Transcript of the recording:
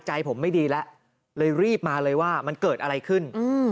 ใจผมไม่ดีแล้วเลยรีบมาเลยว่ามันเกิดอะไรขึ้น